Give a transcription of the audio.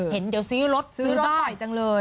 เห็นเดี๋ยวซื้อรถเปิ้ลก่อนไปจังเลย